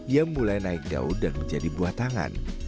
yang mulai naik daun dan menjadi buah tangan